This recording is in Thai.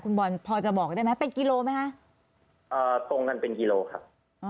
คุณบอลพอจะบอกได้ไหมเป็นกิโลไหมคะอ่าตรงกันเป็นกิโลครับ